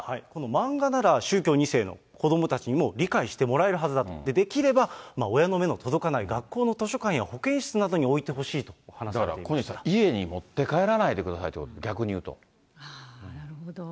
漫画なら宗教２世の子どもたちにも理解してもらえるはずだと、できれば親の目の届かない学校の図書館や保健室などに置いてほしだから小西さん、家に持って帰らないでくださいということ、逆に言うと。